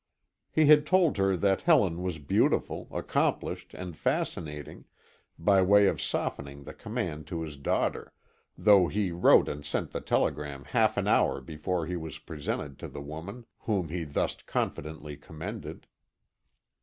He had told her that Helen was beautiful, accomplished and fascinating, by way of softening the command to his daughter, though he wrote and sent the telegram half an hour before he was presented to the woman whom he thus confidently commended.